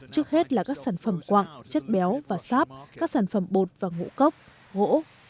trước hết là các sản phẩm quạng chất béo và sáp các sản phẩm bột và ngũ cốc gỗ